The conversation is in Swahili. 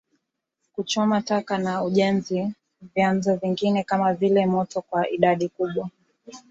i kuchoma taka na ujenzi Vyanzo vingine kama vile motoKwa idadi kubwa